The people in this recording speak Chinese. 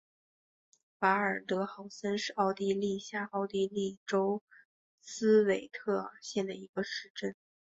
瓦尔德豪森是奥地利下奥地利州茨韦特尔县的一个市镇。